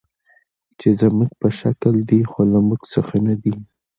چې زموږ په شکل دي، خو له موږ څخه نه دي.